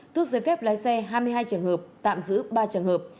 tước giấy phép lái xe hai mươi hai trường hợp tạm giữ ba trường hợp